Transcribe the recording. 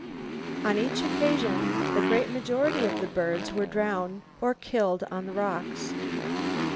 On each occasion, the great majority of the birds were drowned, or killed on the rocks.